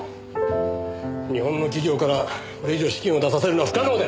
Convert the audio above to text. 日本の企業からこれ以上資金を出させるのは不可能だよ。